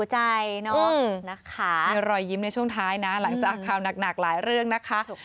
หลายเรื่องนะคะ